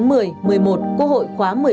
quốc hội khóa một mươi bốn